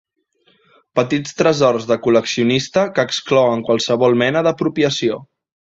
Petits tresors de col·leccionista que exclouen qualsevol mena d'apropiació.